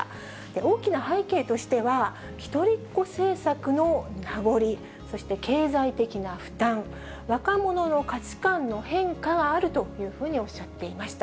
大きな背景としては、一人っ子政策の名残、そして経済的な負担、若者の価値観の変化があるというふうにおっしゃっていました。